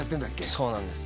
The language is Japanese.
そうなんです